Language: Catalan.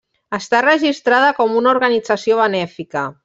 Està registrada com una organització benèfica.